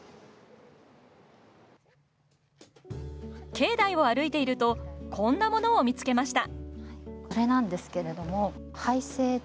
境内を歩いているとこんなものを見つけました。